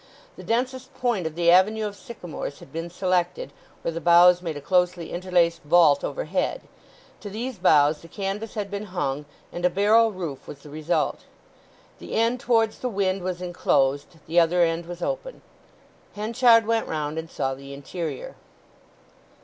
The densest point of the avenue of sycamores had been selected, where the boughs made a closely interlaced vault overhead; to these boughs the canvas had been hung, and a barrel roof was the result. The end towards the wind was enclosed, the other end was open. Henchard went round and saw the interior.